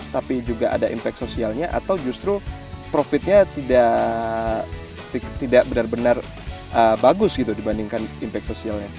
tapi juga ada impact sosialnya atau justru profitnya tidak benar benar bagus gitu dibandingkan impact sosialnya